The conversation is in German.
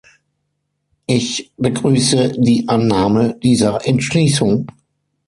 Ich begrüße die Annahme dieser Entschließung.